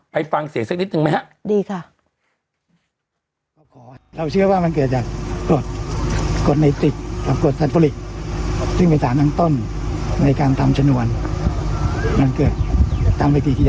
ไปฟังเสียงสักนิดนึงไหมฮะ